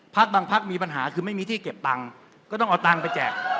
บางพักมีปัญหาคือไม่มีที่เก็บตังค์ก็ต้องเอาตังค์ไปแจก